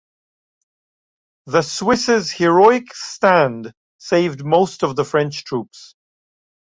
The Swiss' heroic stand saved most of the French troops.